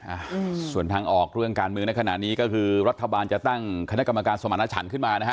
อ่าส่วนทางออกเรื่องการเมืองในขณะนี้ก็คือรัฐบาลจะตั้งคณะกรรมการสมรรถฉันขึ้นมานะฮะ